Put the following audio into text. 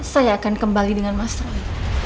saya akan kembali dengan mas roy